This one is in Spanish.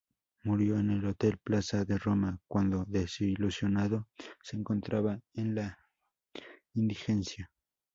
Murió en el hotel Plaza de Roma cuando, desilusionado, se encontraba en la indigencia.